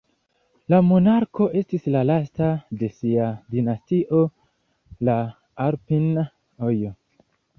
La monarko estis la lasta de sia dinastio, la "Alpin"oj.